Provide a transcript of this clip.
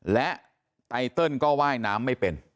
และไตเติลก็ว่ายน้ำไม่เป็น